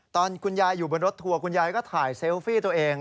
ตอนคุณยายอยู่บนรถทัวร์คุณยายก็ถ่ายเซลฟี่ตัวเอง